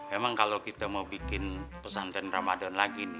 emang kalau kita mau bikin pesantren ramadan lagi nih